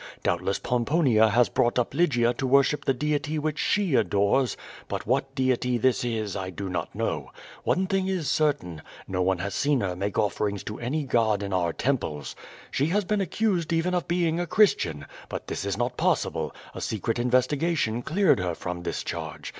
Doubtless Pomponia has brought up Lygia to worship the deity which she adores, but what deity this is I do not know. One thing is certain — ^no one has seen her make offerings to any god in our temples. She has been accused even of being a Christian, but this is not possible; a secret investigation cleared her from this charge.